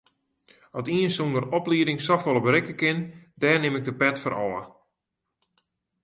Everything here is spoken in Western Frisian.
At ien sonder oplieding safolle berikke kin, dêr nim ik de pet foar ôf.